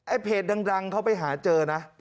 เพจดังเขาไปหาเจอนะ